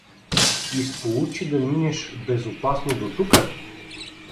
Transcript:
— И сполучи да минеш безопасно дотука?